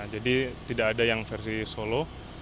jadi tidak ada yang versi solo